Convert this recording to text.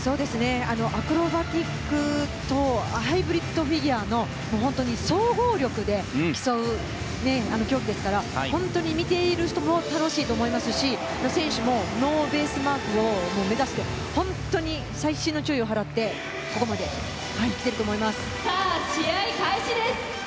アクロバティックとハイブリッドフィギュアの本当に総合力で競う競技ですから、見ている人も楽しいと思いますし選手もノーベースマークを目指して細心の注意を払ってここまで来ていると思います。